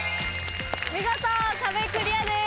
見事壁クリアです。